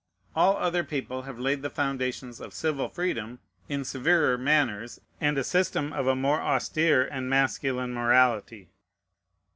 All other people have laid the foundations of civil freedom in severer manners, and a system of a more austere and masculine morality.